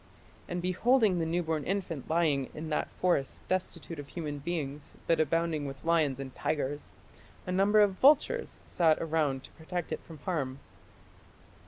And beholding the newborn infant lying in that forest destitute of human beings but abounding with lions and tigers, a number of vultures sat around to protect it from harm."